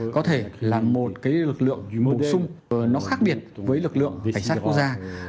có thể là một cái lực lượng bổ sung nó khác biệt với lực lượng cảnh sát quốc gia